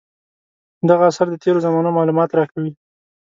دغه اثار د تېرو زمانو معلومات راکوي.